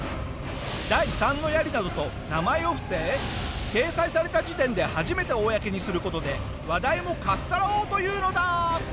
第三の槍などと名前を伏せ掲載された時点で初めて公にする事で話題もかっさらおうというのだ！